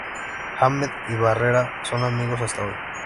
Hamed y Barrera son amigos hasta hoy.